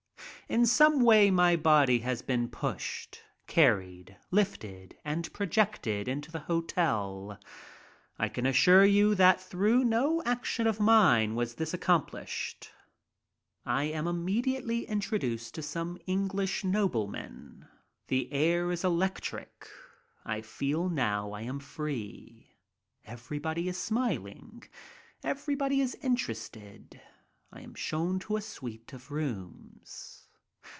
In some way my body has been pushed, carried, lifted, and projected into the hotel. I can assure you that through no action of mine was this accomplished. I am immediately introduced to some English nobleman. The air is electric. I feel now I am free. Everybody is smiling. Everybody is interested. I am shown to a suite of rooms.